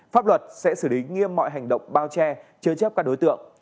pháp luật sẽ xử lý nghiêm mọi hành động bao che chế chấp các đối tượng